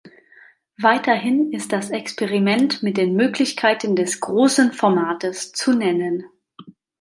Weiterhin ist das Experiment mit den Möglichkeiten des "großen Formates" zu nennen.